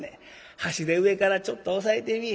箸で上からちょっと押さえてみぃ。